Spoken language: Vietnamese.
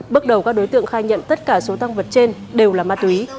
bước đầu các đối tượng khai nhận tất cả số tăng vật trên đều là ma túy